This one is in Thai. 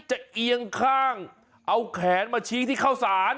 เอียงข้างเอาแขนมาชี้ที่เข้าสาร